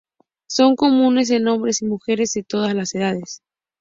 Son comunes en hombres y mujeres de todas las edades.